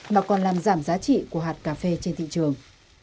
mà còn làm giảm giá trị của hạt cà phê trên thị trường